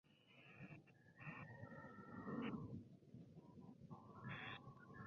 El oscilador de Tesla es un generador de electricidad alternativo.